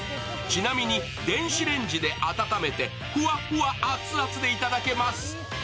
ちなみに電子レンジで温めてふわふわアツアツでいただけます。